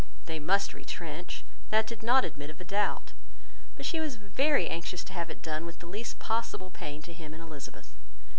They must retrench; that did not admit of a doubt. But she was very anxious to have it done with the least possible pain to him and Elizabeth.